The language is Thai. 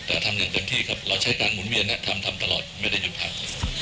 แต่ทำอย่างเต็มที่ครับเราใช้การหมุนเวียนทำทำตลอดไม่ได้หยุดพัก